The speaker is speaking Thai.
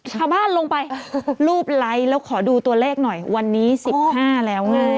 ชาวบ้านลงไปรูปไลค์แล้วขอดูตัวเลขหน่อยวันนี้๑๕แล้วไง